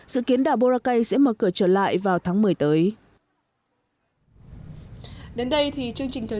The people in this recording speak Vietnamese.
dự kiến đảo boracay sẽ mở cửa trở lại vào tháng một mươi tới